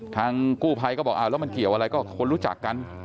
ทางกู้ภัยก็บอกแล้วมันเกี่ยวอะไรก็คนรู้จักกัน